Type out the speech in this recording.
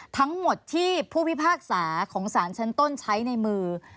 ทั้งหมดที่ผู้พิพากษาของสารชั้นต้นใช้ในมือ